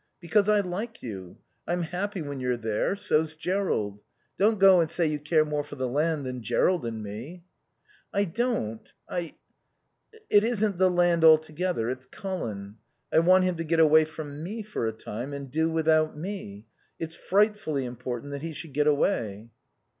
Because I like you. I'm happy when you're there. So's Jerrold. Don't go and say you care more for the land than Jerrold and me." "I don't. I It isn't the land altogether. It's Colin. I want him to get away from me for a time and do without me. It's frightfully important that he should get away."